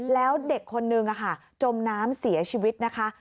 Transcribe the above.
แล้วเด็กคนนึงจมน้ำเสียชีวิตนะคะ